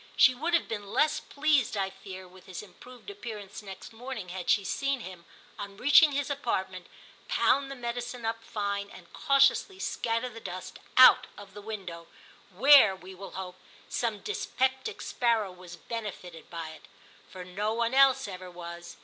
She would have been less pleased, I fear, with his improved appear ance next morning had she seen him, on reaching his apartment, pound the medicine up fine, and cautiously scatter the dust out 11 TIM 33 of the window, where, we will hope, some dyspeptic sparrow was benefited by it, for no one else ever was.